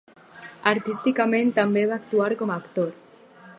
Artísticament també va actuar com a actor.